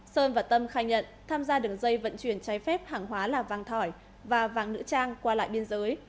sơn và tâm khai nhận tham gia đường dây vận chuyển trái phép hàng hóa là vàng thỏi và vàng nữ trang qua lại biên giới